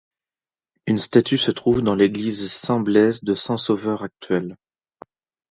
Une statue se trouve dans l'église Saint-Blaise de Saint-Sauveur actuelle.